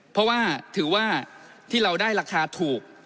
เพราะว่าถือว่าที่เราได้ราคาถูก